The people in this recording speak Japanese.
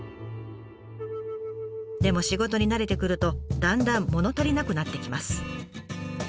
でも仕事に慣れてくるとだんだんもの足りなくなってきます。